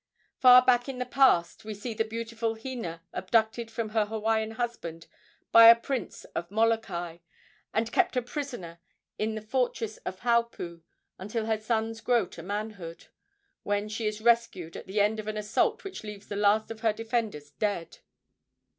Far back in the past we see the beautiful Hina abducted from her Hawaiian husband by a prince of Molokai, and kept a prisoner in the fortress of Haupu until her sons grow to manhood, when she is rescued at the end of an assault which leaves the last of her defenders dead.